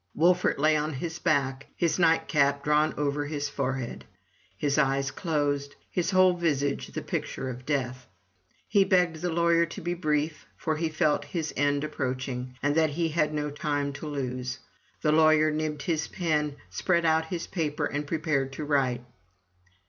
Wolfert lay on his back, his night cap drawn over his forehead; his eyes closed; his whole visage the picture of death. He begged the lawyer to be brief, for he felt his end approaching, and that he had no time to lose. The lawyer nibbed his pen, spread out his paper, and prepared to write.